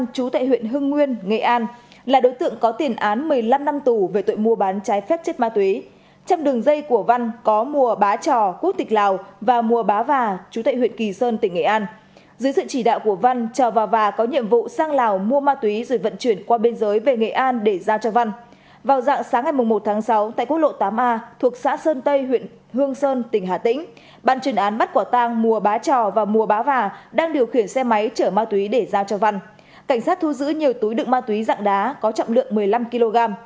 cảnh sát thu giữ nhiều túi đựng ma túy dạng đá có trọng lượng một mươi năm kg